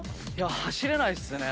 走れないっすね。